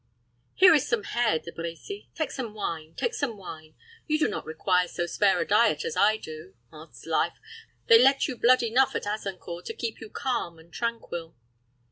Here is some hare, De Brecy. Take some wine, take some wine. You do not require so spare a diet as I do. Odds life! they let you blood enough at Azincourt to keep you calm and tranquil."